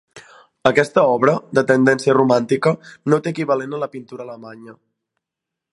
Aquesta obra, de tendència romàntica, no té equivalent en la pintura alemanya.